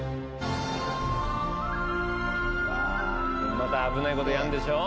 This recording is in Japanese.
また危ないことやんでしょ